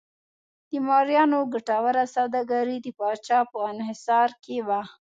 د مریانو ګټوره سوداګري د پاچا په انحصار کې وه.